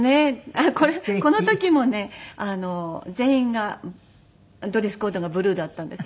あっこの時もね全員がドレスコードがブルーだったんです。